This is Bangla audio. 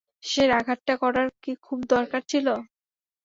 শেষের আঘাতটা করার কি খুব দরকার ছিলো?